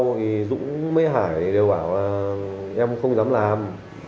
thì dũng mê hải đều bảo là em không dám làm